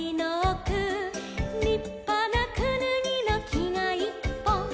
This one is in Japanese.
「りっぱなくぬぎのきがいっぽん」